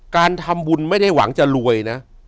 การทำบุญไม่ได้หวังจะรวยนะ